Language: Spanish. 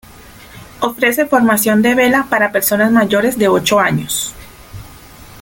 Ofrece formación de vela para personas mayores de ocho años.